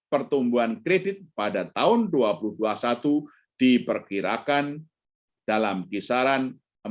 pertumbuhan kredit pada tahun dua ribu dua puluh satu diperkirakan dalam kisaran